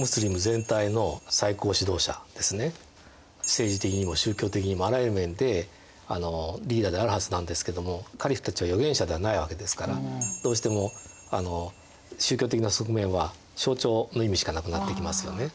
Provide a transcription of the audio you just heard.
政治的にも宗教的にもあらゆる面でリーダーであるはずなんですけどもカリフたちは預言者ではないわけですからどうしても宗教的な側面は象徴の意味しかなくなってきますよね。